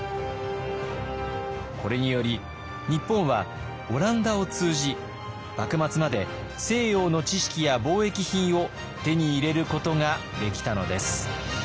これにより日本はオランダを通じ幕末まで西洋の知識や貿易品を手に入れることができたのです。